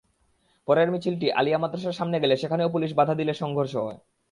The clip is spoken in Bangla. পরে মিছিলটি আলিয়া মাদ্রাসার সামনে গেলে সেখানেও পুলিশ বাধা দিলে সংঘর্ষ হয়।